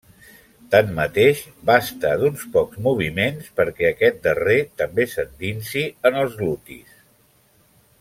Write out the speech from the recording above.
Tanmateix, basta d'uns pocs moviments perquè aquest darrer també s'endinsi en els glutis.